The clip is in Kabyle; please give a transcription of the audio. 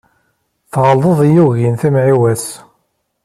Tɣelḍeḍ i yugin timɛiwa-s.